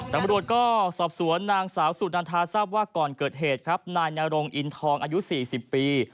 ตำรวจก็สอบสวนนางสาวสุนันทาทราบว่าก่อนเกิดเหตุครับนายนรงอินทองอายุ๔๐ปี